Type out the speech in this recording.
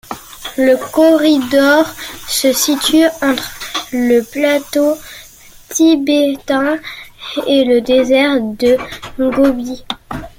Le corridor se situe entre le plateau tibétain et le désert de Gobi.